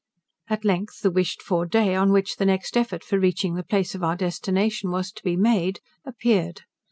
At length the wished for day, on which the next effort for reaching the place of our destination was to be made, appeared.